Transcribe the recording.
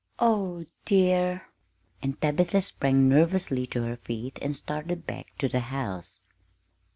Oh, dear!" And Tabitha sprang nervously to her feet and started back to the house.